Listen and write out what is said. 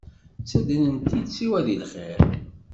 Ttaddren-t-id siwa di lxir.